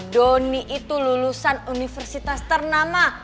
doni itu lulusan universitas ternama